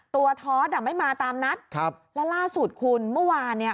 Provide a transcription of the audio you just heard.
ทอสอ่ะไม่มาตามนัดครับแล้วล่าสุดคุณเมื่อวานเนี่ย